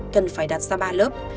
cần phải đặt ra ba lớp